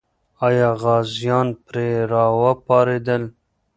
آیا غازیان پرې راوپارېدل؟